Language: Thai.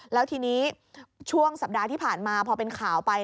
แล้วทีนี้ช่วงสัปดาห์ที่ผ่านมาพอเป็นข่าวไป